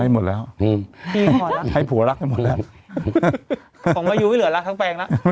ให้หมดแล้วอืมให้ผัวลักษณ์ให้หมดแล้วผมมาอยู่ไม่เหลือละทั้งแปลงละ